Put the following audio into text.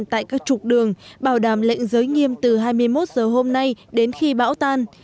tại các trục đường bảo đảm lệnh giới nghiêm từ hai mươi một giờ hôm nay đến khi bão tan